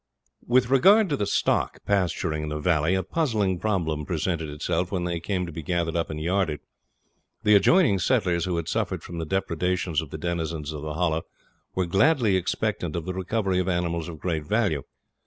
With regard to the stock pasturing in the valley, a puzzling problem presented itself when they came to be gathered up and yarded. The adjoining settlers who had suffered from the depredations of the denizens of the Hollow were gladly expectant of the recovery of animals of great value.